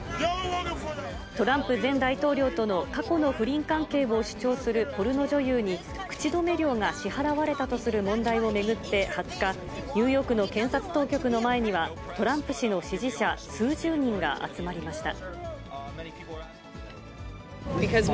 トランプ前大統領との過去の不倫関係を主張するポルノ女優に、口止め料が支払われたとする問題を巡って２０日、ニューヨークの検察当局の前には、トランプ氏の支持者数十人が集まりました。